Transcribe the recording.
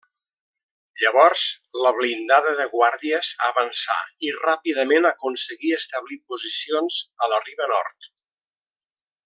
Llavors, la Blindada de Guàrdies avançà i ràpidament aconseguí establir posicions a la riba nord.